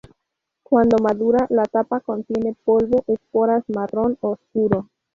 Cuando madura, la tapa contiene polvo, esporas marrón oscuro.